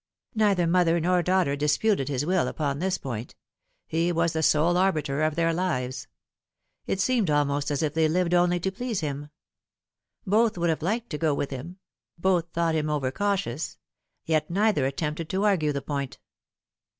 Neither mother nor daughter disputed his will upon this point. He was the sole arbiter of their lives. It seemed almost as if they lived only to please him. Both would have liked to go with him ; both thought him over cautious ; yet neither attempted to argue the point.